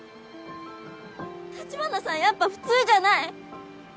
橘さんやっぱ普通じゃない！